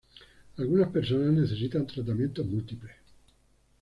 Algunas personas necesitan tratamientos múltiples.